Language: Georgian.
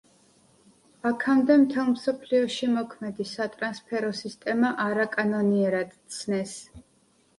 აქამდე მთელ მსოფლიოში მოქმედი სატრანსფერო სისტემა არაკანონიერად ცნეს.